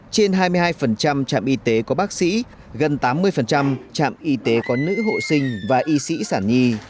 trên hai mươi hai trạm y tế có bác sĩ gần tám mươi trạm y tế có nữ hộ sinh và y sĩ sản nhi